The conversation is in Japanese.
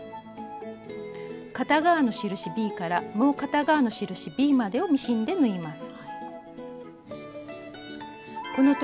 片側の印ｂからもう片側の印ｂまでをミシンで縫います。